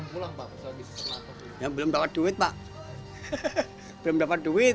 belum dapat duit pak belum dapat duit